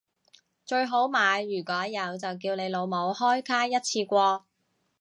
最好買如果有就叫你老母開卡一次過